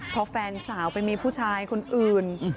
พอแฟนสาวไปมีผู้ชายคนอื่น